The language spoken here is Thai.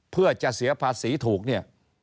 เพื่อจะเสียภาษีถูกเนี่ย